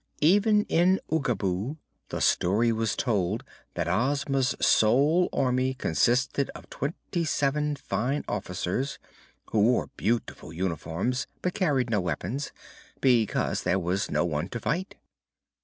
Even in Oogaboo the story was told that Ozma's sole army consisted of twenty seven fine officers, who wore beautiful uniforms but carried no weapons, because there was no one to fight.